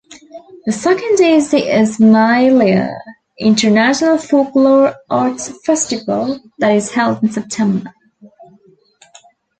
The second is the Ismailia International Folklore Arts Festival that is held in September.